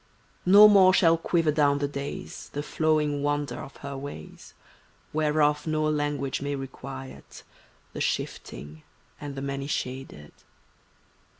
No more shall quiver down the days The flowing wonder of her ways, Whereof no language may requite The shifting and the many shaded.